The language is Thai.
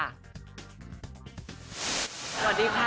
สวัสดีค่ะ